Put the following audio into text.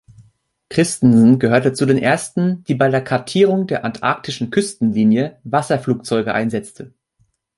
Christensen gehörte zu den Ersten, die bei der Kartierung der antarktischen Küstenlinie Wasserflugzeuge einsetzte.